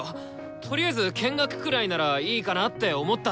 とりあえず見学くらいならいいかなって思っただけで。